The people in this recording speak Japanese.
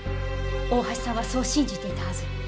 大橋さんはそう信じていたはず。